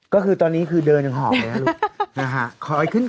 ก็คือตอนนี้คือเดินอย่างหอมเลยครับลูก